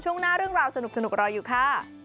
ช่วงหน้าเรื่องราวสนุกรออยู่ค่ะ